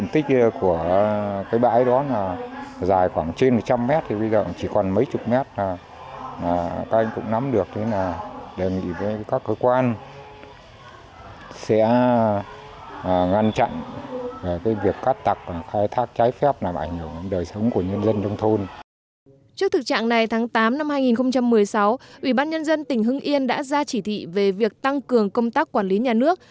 trước thực trạng này tháng tám năm hai nghìn một mươi sáu ủy ban nhân dân tỉnh hưng yên đã ra chỉ thị về việc tăng cường công tác quản lý nhà nước